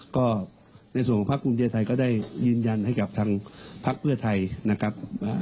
ก็ในส่วนของภาคภูมิใจไทยก็ได้ยืนยันให้กับทางพักเพื่อไทยนะครับว่า